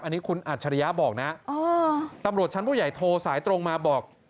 อันนี้คุณอัจฉริยะบอกนะตำรวจชั้นผู้ใหญ่โทรสายตรงมาบอก